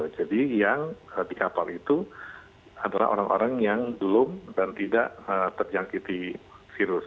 jadi yang di kapal itu adalah orang orang yang belum dan tidak terjangkiti virus